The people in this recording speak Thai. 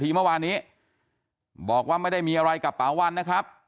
เมื่อวานนี้บอกว่าไม่ได้มีอะไรกับป่าวันนะครับ